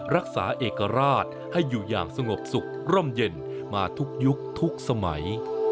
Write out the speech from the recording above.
รักษาเอกราชให้อยู่อย่างสงบสุขร่มเย็นมาทุกยุคทุกสมัย